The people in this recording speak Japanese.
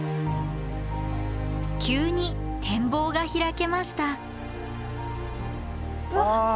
急に展望が開けましたわあや。